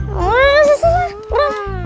udah susah susah berang